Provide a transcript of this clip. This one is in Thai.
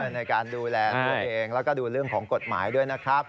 ในการดูแลตัวเองแล้วก็ดูเรื่องของกฎหมายด้วยนะครับ